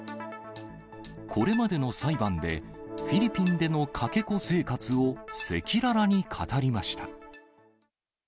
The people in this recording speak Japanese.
これまでの裁判で、フィリピンでのかけ子生活を赤裸々に語りました。